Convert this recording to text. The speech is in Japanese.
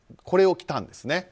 これを着たんですね。